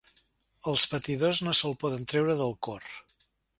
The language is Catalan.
Els patidors no se'l poden treure del cor.